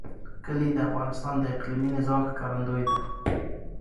کلي د افغانستان د اقلیمي نظام ښکارندوی ده.